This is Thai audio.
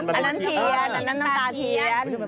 น้ำน้ำตาเทียน